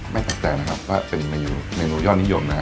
ไม่ต้องแต่นะครับว่าเป็นเมนูยอดนิยมนะฮะ